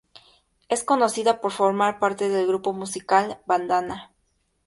Es conocida por formar parte del grupo musical Bandana.